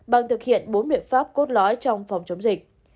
bằng thực hiện bốn miệng pháp cốt lõi trong phòng chống dịch